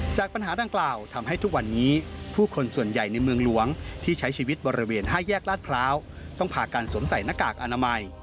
จากปัญหาดังกล่าวทำให้ทุกวันนี้ผู้คนส่วนใหญ่ในเมืองหลวงที่ใช้ชีวิตบริเวณ๕แยกลาดพร้าวต้องพากันสวมใส่หน้ากากอนามัย